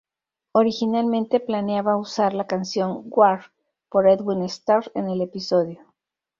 Originalmente, planeaba usar la canción "War" por Edwin Starr en el episodio.